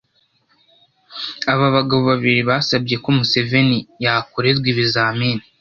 aba bagabo babiri basabye ko Museveni yakorerwa ibizamini